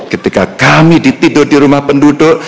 ketika kami ditidur di rumah penduduk